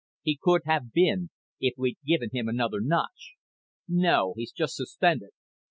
"He could have been, if we'd given him another notch. No, he's just suspended.